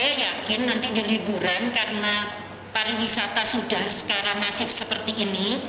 saya yakin nanti di liburan karena pariwisata sudah sekarang masif seperti ini